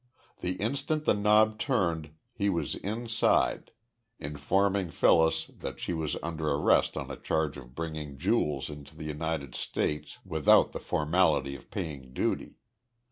The instant the knob turned he was inside, informing Phyllis that she was under arrest on a charge of bringing jewels into the United States without the formality of paying duty.